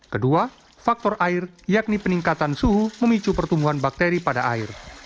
kedua faktor air yakni peningkatan suhu memicu pertumbuhan bakteri pada air